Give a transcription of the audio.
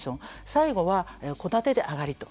最後は戸建てで上がりと。